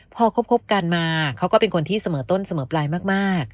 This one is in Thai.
พอคบกันมาเขาก็เป็นคนที่เสมอต้นเสมอปลายมาก